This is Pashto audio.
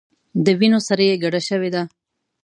د وینو سره یې ګډه شوې ده.